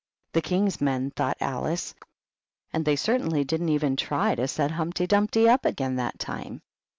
"The King's men!" thought Alice. "And 9* 102 HUMPTY DUMPTY. they certainly didn't even try to set Humpty Dumpty up again that time."